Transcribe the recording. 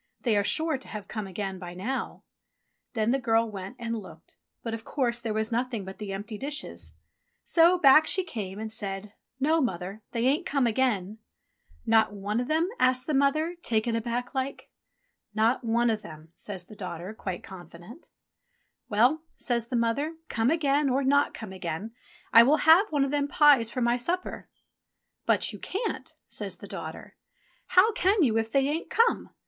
They are sure to have come again by now." Then the girl went and looked, but of course there was nothing but the empty dishes. So back she came and said, "No, Mother, they ain't come again." "Not one o' them ?" asked the mother, taken aback like. "Not one o' them," says the daughter, quite confident. 25 26 ENGLISH FAIRY TALES "Well," says the mother, "come again, or not come again, I will have one of them pies for my supper." "But you can't," says the daughter. "How can you if they ain't come